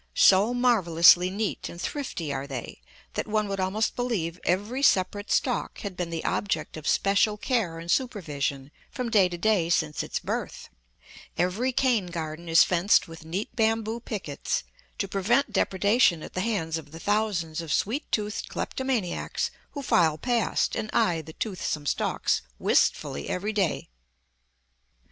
So marvellously neat and thrifty are they, that one would almost believe every separate stalk had been the object of special care and supervision from day to day since its birth; every cane garden is fenced with neat bamboo pickets, to prevent depredation at the hands of the thousands of sweet toothed kleptomaniacs who file past and eye the toothsome stalks wistfully every day.